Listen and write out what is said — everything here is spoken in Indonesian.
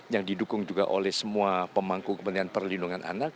yang didukung juga oleh semua pemangku kepentingan perlindungan anak